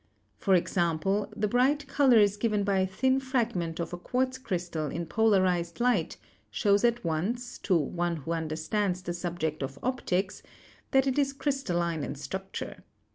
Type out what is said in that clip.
For example, the bright colors given by a thin fragment of a quartz crystal in polarized light shows at once, to one who understands the subject of optics, that it is crystal line in structure.